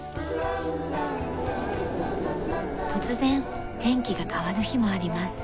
突然天気が変わる日もあります。